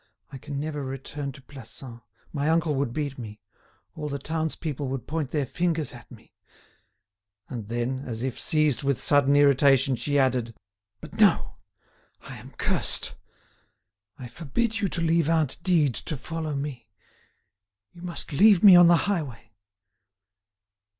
I can never return to Plassans; my uncle would beat me; all the townspeople would point their fingers at me—" And then, as if seized with sudden irritation, she added: "But no! I am cursed! I forbid you to leave aunt Dide to follow me. You must leave me on the highway."